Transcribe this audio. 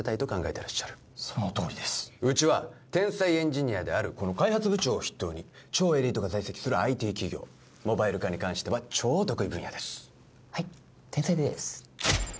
てらっしゃるそのとおりですうちは天才エンジニアであるこの開発部長を筆頭に超エリートが在籍するＩＴ企業モバイル化に関しては超得意分野ですはい天才です